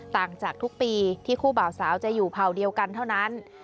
ต่างจากทุกปีที่คู่บ่าวสาวจะอยู่เผ่าเดียวกันเท่านั้น